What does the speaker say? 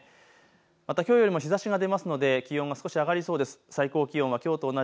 またきょうよりも日ざしが出るので気温が上がりそうです。